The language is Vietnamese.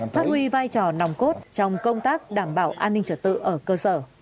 phát huy vai trò nòng cốt trong công tác đảm bảo an ninh trật tự ở cơ sở